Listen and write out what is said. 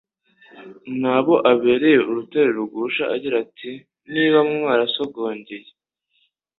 n'abo abereye urutare rugusha agira ati : «Niba mwarasogongeye